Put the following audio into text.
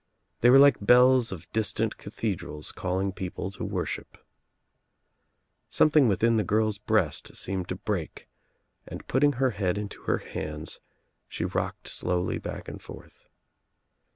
They were like bells of distant cathedrals calling people to worship. Some UNLIGHTED LAMPS 75 ^^ttling within the girl's breast seemed to break and putting her head Into her hands she rocked slowly back and forth.